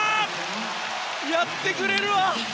やってくれるわー！